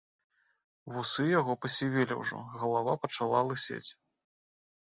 Вусы яго пасівелі ўжо, галава пачала лысець.